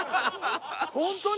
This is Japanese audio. ホントに？